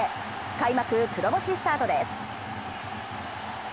開幕黒星スタートです。